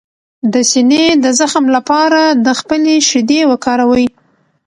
د سینې د زخم لپاره د خپلې شیدې وکاروئ